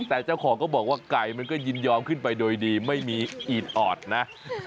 แต่เจ้าของก็บอกว่าไก่มันก็ยินยอมขึ้นไปโดยดีไม่มีอีดออดนะ